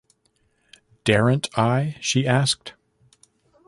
“Daren’t I?” she asked.